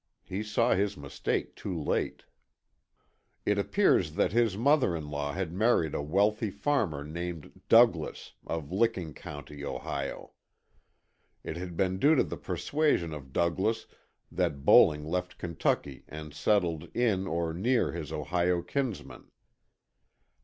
He saw his mistake too late. It appears that his mother in law had married a wealthy farmer named Douglas, of Licking County, Ohio. It had been due to the persuasion of Douglas that Bowling left Kentucky and settled in or near his Ohio kinsman.